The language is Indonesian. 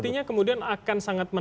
artinya kemudian akan sangat